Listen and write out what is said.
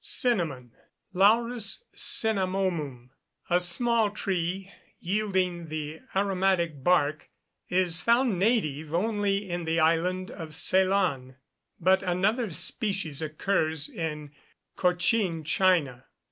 Cinnamon (Laurus Cinnamomum), a small tree yielding the aromatic bark, is found native only in the island of Ceylon; but another species occurs in Cochin China.